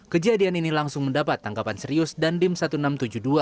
kejadian ini langsung mendapat tangkapan serius dan dim seribu enam ratus tujuh puluh dua